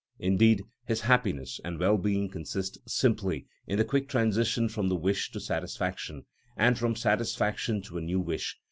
Indeed, his happiness and well being consist simply in the quick transition from wish to satisfaction, and from satisfaction to a new wish.